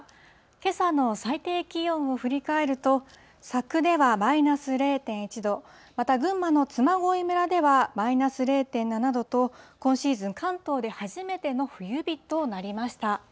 けさの最低気温を振り返ると、佐久ではマイナス０．１度、また群馬の嬬恋村ではマイナス０．７度と、今シーズン関東で初めての冬日となりました。